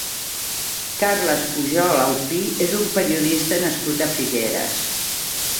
Carles Pujol Aupí és un periodista nascut a Figueres.